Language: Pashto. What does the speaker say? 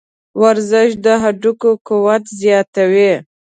ورزش د هډوکو قوت زیاتوي.